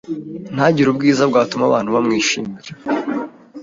ntagire ubwiza bwatuma abantu bamwishimira,